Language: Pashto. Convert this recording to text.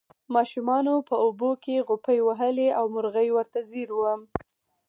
ماشومانو په اوبو کې غوپې وهلې او مرغۍ ورته ځیر وه.